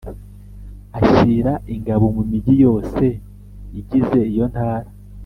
Ashyira ingabo mu migi yose igize iyo ntara.